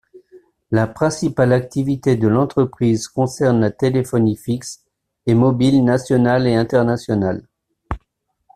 La principale activité de l'entreprise concerne la téléphonie fixe et mobile national et international.